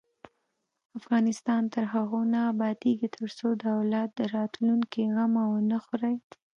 افغانستان تر هغو نه ابادیږي، ترڅو د اولاد د راتلونکي غم ونه خورئ.